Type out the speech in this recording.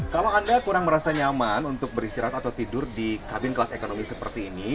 kalau anda kurang merasa nyaman untuk beristirahat atau tidur di kabin kelas ekonomi seperti ini